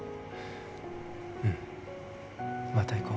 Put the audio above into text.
うんまた行こう